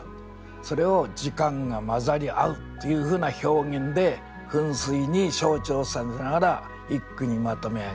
それを「時間が混ざり合ふ」っていうふうな表現で「噴水」に象徴させながら一句にまとめ上げる。